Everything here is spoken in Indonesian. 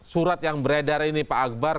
surat yang beredar ini pak akbar